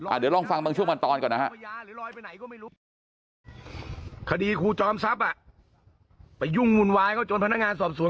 โอ้เดี๋ยวลองฟังบางช่วงบันตอนก่อนครับ